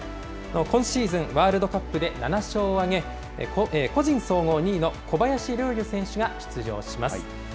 今シーズン、ワールドカップで７勝を挙げ、個人総合２位の小林陵侑選手が出場します。